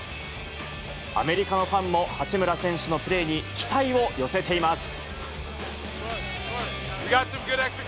アメリカのファンも、八村選手のプレーに期待を寄せています。